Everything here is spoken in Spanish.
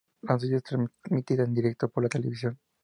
La noticia es transmitida en directo por la televisión.